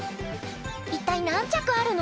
一体何着あるの？